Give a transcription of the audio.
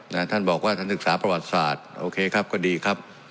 ท่านบอกว่าท่านศึกษาประวัติศาสตร์โอเคครับก็ดีครับ